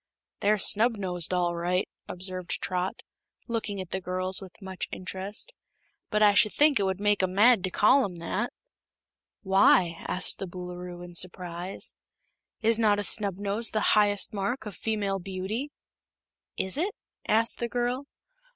"They're snubnosed, all right," observed Trot, looking at the girls with much interest; "but I should think it would make 'em mad to call 'em that." "Why?" asked the Boolooroo, in surprise. "Is not a snubnose the highest mark of female beauty?" "Is it?" asked the girl.